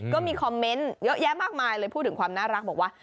ก็มีคอมเมนต์เยอะแยะมากมายเลยพูดถึงความน่ารักบอกว่า